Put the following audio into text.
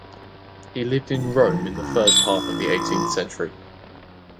He lived in Rome in the first half of the eighteenth century.